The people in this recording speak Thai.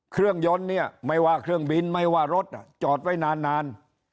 เครื่องยนต์เนี่ยไม่ว่าเครื่องบินไม่ว่ารถจอดไว้นาน